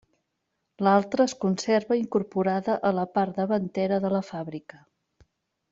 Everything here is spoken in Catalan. L'altra es conserva incorporada a la part davantera de la fàbrica.